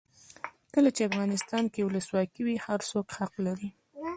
کله چې افغانستان کې ولسواکي وي هر څوک حق لري.